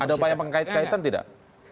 ada upaya pengkait kaitan tidak